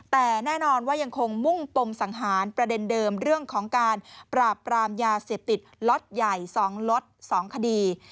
แต่แน่นอนว่ายังคงมุ่งปมสังหารประเด็นเดิมเรื่องของการปราบปรามยาเสพติดล็อตใหญ่๒ล็อต๒คดี